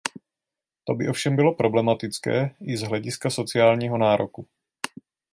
To by ovšem bylo problematické, i z hlediska sociálního nároku.